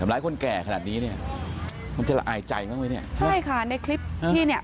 ร้ายคนแก่ขนาดนี้เนี่ยมันจะละอายใจบ้างไหมเนี่ยใช่ค่ะในคลิปที่เนี่ย